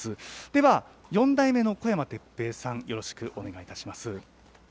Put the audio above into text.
では、４代目の小山哲平さん、よろしくお願いいたします。